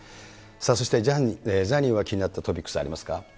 そしてザニーが気になったトピックスありました？